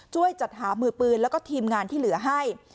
ช่วยจัดหามือปืนแล้วก็ทีมงานที่เหลือให้